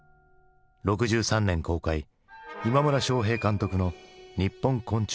６３年公開今村昌平監督の「にっぽん昆虫記」。